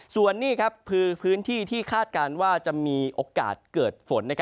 ส่วนนี้คือพื้นที่ที่คาดการณ์ว่าจะมีโอกาสเกิดฝน